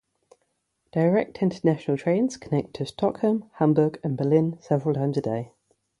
Direct international trains connect to Stockholm, Hamburg and Berlin several times a day.